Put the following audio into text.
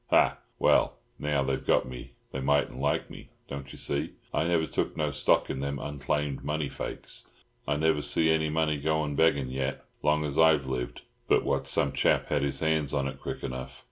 "Ha! Well, now they've got me they mightn't like me, don't you see? I never took no stock in them unclaimed money fakes. I never see any money goin' beggin' yet, long as I've lived, but what some chap had his hands on it quick enough.